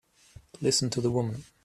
Listen to the woman!